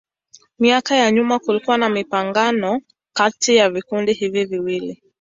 Miaka ya nyuma kulikuwa na mapigano kati ya vikundi hivi viwili.